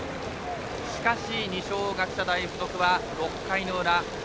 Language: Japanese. しかし、二松学舎大付属は６回の裏。